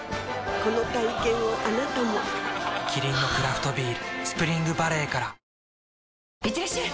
この体験をあなたもキリンのクラフトビール「スプリングバレー」からいってらっしゃい！